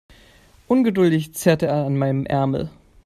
Ungeduldig zerrte er an meinem Ärmel.